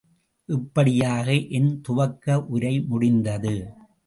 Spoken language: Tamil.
இப்படியாக என் துவக்க உரை முடிந்தது.